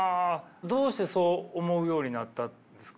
どうしてそう思うようになったんですか？